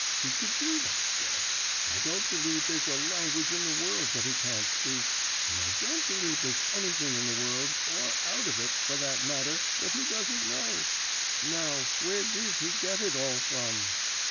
He could do that, sir; I don't believe there's a language in the world that he can't speak, and I don't believe there's anything in the world, or out of it, for that matter, that he doesn't know. "_Now, where did he get it all from?